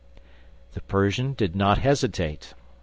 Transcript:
The Persian did not hesitate.